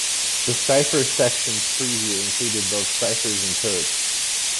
The "Cipher" Section's purview included both ciphers and codes.